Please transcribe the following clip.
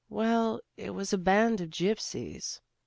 "Well, it was a band of gypsies."